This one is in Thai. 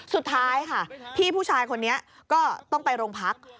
สุดท้ายค่ะพี่ผู้ชายคนนี้ก็ต้องไปโรงพัก